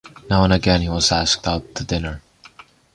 Now and again he was asked out to dinner.